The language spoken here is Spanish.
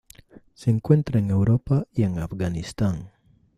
Se encuentra en Europa y en Afganistán.